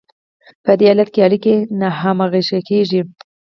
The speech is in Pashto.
په دې حالت کې اړیکې ناهمغږې کیږي.